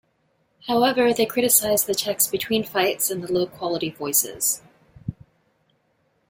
However, they criticized the text between fights and the low quality voices.